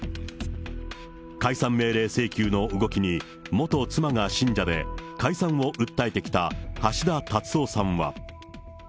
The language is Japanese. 解散命令請求の動きに、元妻が信者で、解散を訴えてきた橋田達夫さんは。